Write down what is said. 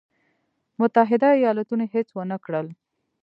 متحدو ایالتونو هېڅ ونه کړل.